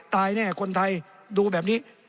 ตายแน่คนไทยดูแบบนี้